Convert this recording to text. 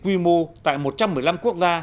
quy mô tại một trăm một mươi năm quốc gia